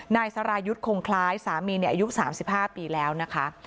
นายสรายุทธ์คงคล้ายสามีอายุ๓๕ปีแล้วนะคะ